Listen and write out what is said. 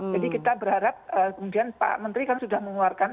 jadi kita berharap kemudian pak menteri kan sudah mengeluarkan